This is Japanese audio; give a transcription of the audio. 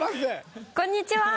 こんにちは！